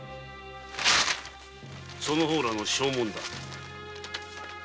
その方らの証文だ。